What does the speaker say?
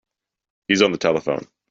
He's on the telephone.